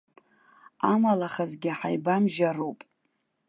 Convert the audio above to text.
Амалахазгьы ҳаибамжьароуп.